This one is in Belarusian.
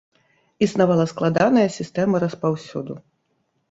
Існавала складаная сістэма распаўсюду.